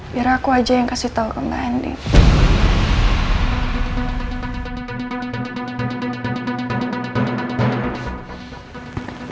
biar aku aja yang kasih tau kemahin nih